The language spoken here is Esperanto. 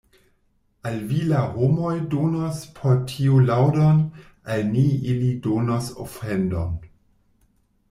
Al vi la homoj donos por tio laŭdon, al ni ili donos ofendon.